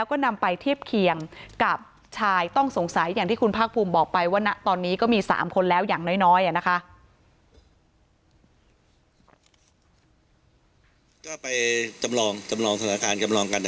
ก็นำไปเทียบเคียงกับชายต้องสงสัยอย่างที่คุณภาคภูมิบอกไปว่าณตอนนี้ก็มี๓คนแล้วอย่างน้อยนะคะ